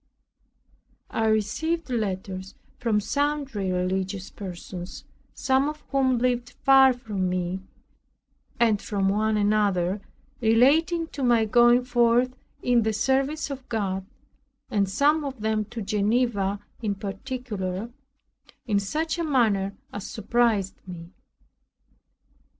I received letters from sundry religious persons, some of whom lived far from me, and from one another, relating to my going forth in the service of God, and some of them to Geneva in particular, in such a manner as surprised me.